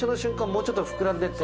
もうちょっと膨らんでて。